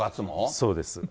そうです。